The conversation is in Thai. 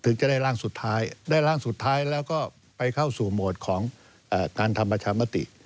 จะได้ร่างสุดท้ายได้ร่างสุดท้ายแล้วก็ไปเข้าสู่โหมดของการทำประชามติ